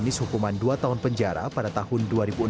dia di vonis hukuman dua tahun penjara pada tahun dua ribu enam